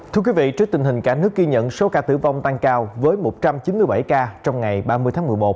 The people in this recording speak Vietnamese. thưa quý vị trước tình hình cả nước ghi nhận số ca tử vong tăng cao với một trăm chín mươi bảy ca trong ngày ba mươi tháng một mươi một